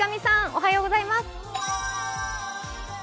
おはようございます。